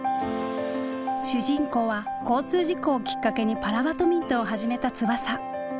主人公は交通事故をきっかけにパラバドミントンを始めた翼。